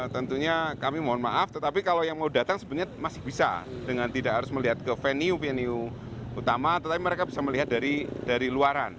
tentunya kami mohon maaf tetapi kalau yang mau datang sebenarnya masih bisa dengan tidak harus melihat ke venue venue utama tetapi mereka bisa melihat dari luaran